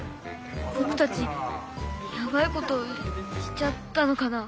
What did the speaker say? ぼくたちヤバいことしちゃったのかな。